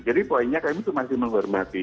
jadi poinnya kami itu masih menghormati